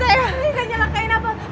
udah nggak apa yang kamu mau